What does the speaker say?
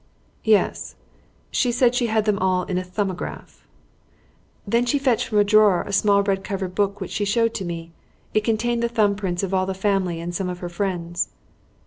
"Yes. She said she had them all in a 'Thumbograph.'" "Then she fetched from a drawer a small red covered book which she showed to me. It contained the thumb prints of all the family and some of her friends."